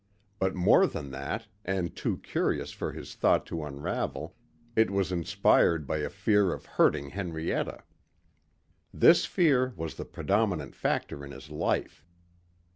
But more than that and too curious for his thought to unravel, it was inspired by a fear of hurting Henrietta. This fear was the predominant factor in his life.